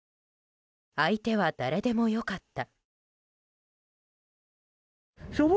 相手は誰でもよかった。